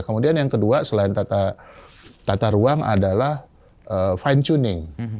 kemudian yang kedua selain tata ruang adalah fine tuning